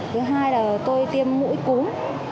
thứ hai là tôi tiêm mũi cúm